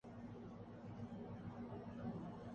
تو ان کی حالت کچھ بہتر نہیں۔